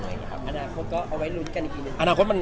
อาณาคตก็เอาไว้ลุ้นมันอีกนิดนึง